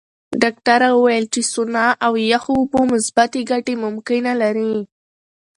ډاکټره وویل چې سونا او یخو اوبو مثبتې ګټې ممکنه لري.